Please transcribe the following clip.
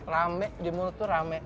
rame di mall tuh rame